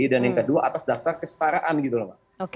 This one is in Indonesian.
dan yang kedua atas dasar kesetaraan gitu loh mbak